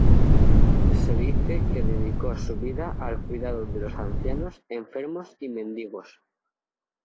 Se dice que dedicó su vida al cuidado de los ancianos, enfermos y mendigos.